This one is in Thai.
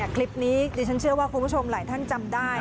คลิปนี้ดิฉันเชื่อว่าคุณผู้ชมหลายท่านจำได้